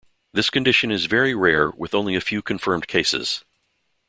This condition is very rare with only a few confirmed cases.